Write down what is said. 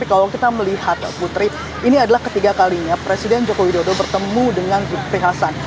kita melihat putri ini adalah ketiga kalinya presiden jokowi dodo bertemu dengan zulkifli hasan